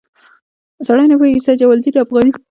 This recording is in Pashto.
سړی نه پوهېږي چې سید جمال الدین افغاني.